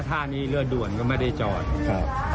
ถ้านี้เรือด่วนก็ไม่ได้จอดนะฮะ